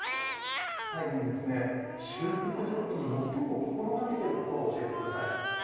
最後に、修復するときに最も心がけていることを教えてください。